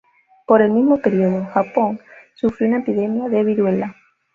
Por el mismo periodo, Japón sufrió de una epidemia de Viruela.